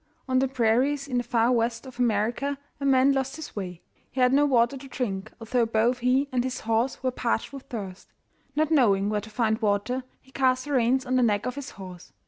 On the prairies in the Far West of America a man lost his way. He had no water to drink, although both he and his horse were parched with thirst. Not knowing where to find water, he cast the reins on the neck of his horse.